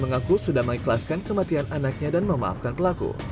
mengaku sudah mengikhlaskan kematian anaknya dan memaafkan pelaku